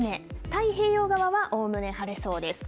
太平洋側はおおむね晴れそうです。